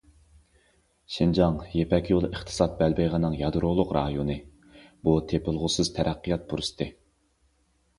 شىنجاڭ يىپەك يولى ئىقتىساد بەلبېغىنىڭ يادرولۇق رايونى، بۇ تېپىلغۇسىز تەرەققىيات پۇرسىتى.